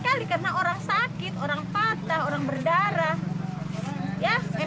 sekali karena orang sakit orang patah orang berdarah